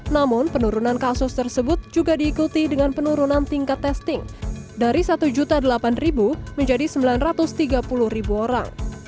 namun penurunan kasus tersebut juga diikuti dengan penurunan tingkat testing dari satu delapan menjadi sembilan ratus tiga puluh orang